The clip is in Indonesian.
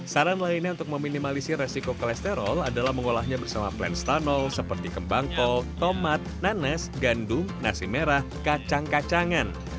saran lainnya untuk meminimalisi resiko kolesterol adalah mengolahnya bersama plan stanol seperti kembang kol tomat nanas gandum nasi merah kacang kacangan